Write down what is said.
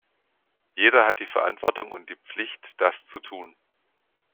Jeder hat die Verantwortung und die Pflicht, das zu tun.